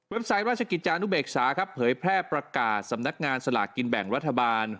ไซต์ราชกิจจานุเบกษาครับเผยแพร่ประกาศสำนักงานสลากกินแบ่งรัฐบาล